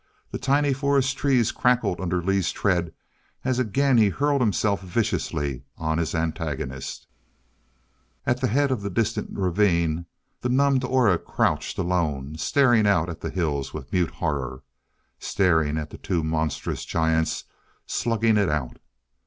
The tiny forest trees crackled under Lee's tread as again he hurled himself viciously on his antagonist.... At the head of the distant ravine, the numbed Aura crouched alone, staring out at the hills with mute horror staring at the two monstrous giants slugging it out.